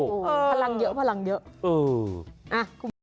พลังเยอะเออคุณผู้ชาย